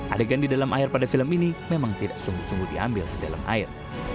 adegan di dalam air pada film ini memang tidak sungguh sungguh diambil di dalam air